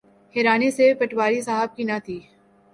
حیرانی صرف پٹواری صاحب کی نہ تھی۔